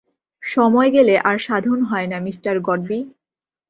সময় গেলে আর সাধন হয় না, মিঃ গডবি!